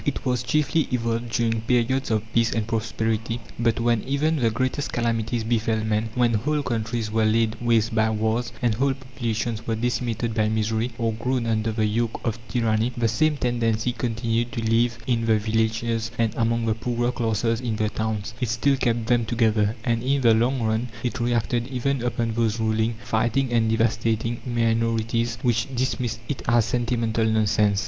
It was chiefly evolved during periods of peace and prosperity; but when even the greatest calamities befell men when whole countries were laid waste by wars, and whole populations were decimated by misery, or groaned under the yoke of tyranny the same tendency continued to live in the villages and among the poorer classes in the towns; it still kept them together, and in the long run it reacted even upon those ruling, fighting, and devastating minorities which dismissed it as sentimental nonsense.